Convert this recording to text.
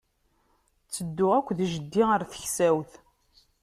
Tedduɣ akked jeddi ɣer taksawt.